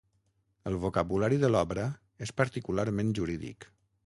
El vocabulari de l'obra és particularment jurídic.